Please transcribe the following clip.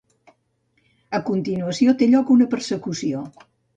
A continuació té lloc una persecució.